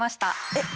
えっ？